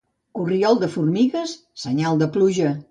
Corriol de formigues, senyal de pluja.